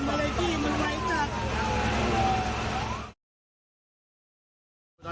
มีความรู้สึกว่าเกิดอะไรขึ้น